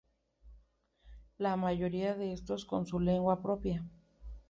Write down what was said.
La mayoría de ellos con su lengua propia.